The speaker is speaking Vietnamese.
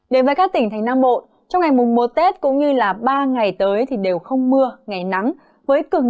đến với các tỉnh thành nam bộ trong ngày mùng mùa tết cũng như là ba ngày tới thì đều không mưa ngày nắng với cường độ vừa phải